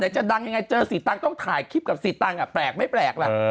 จริงมั้ยแหละ